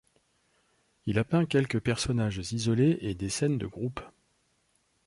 Il a peint quelques personnages isolés et des scènes de groupes.